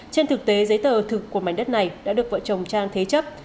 trên thực tế giấy tờ thực của mảnh đất này đã được vợ chồng trang thế chấp